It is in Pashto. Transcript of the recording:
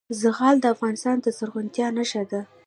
زغال د افغانستان د زرغونتیا نښه ده.